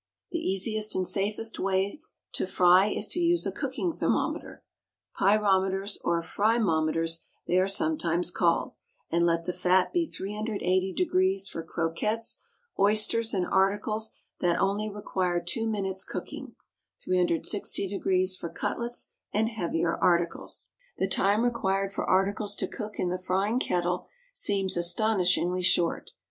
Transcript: The easiest and safest way to fry is to use a cooking thermometer (pyrometers or frimometers they are sometimes called), and let the fat be 380° for croquettes, oysters, and articles that only require two minutes' cooking; 360° for cutlets and heavier articles. The time required for articles to cook in the frying kettle seems astonishingly short.